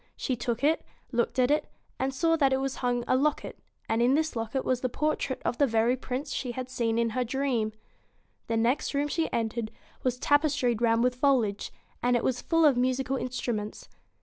She took it, looked at it, and saw that from it hung a locket, and in this locket was the portrait of the very Prince she had seen in her dream. The next room she entered was tapestried round with foliage, and it was full of musical instruments.